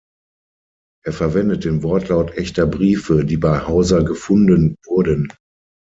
Er verwendet den Wortlaut echter Briefe, die bei Hauser gefunden wurden.